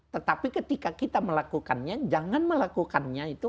tetapi ketika kita melakukannya jangan melakukannya itu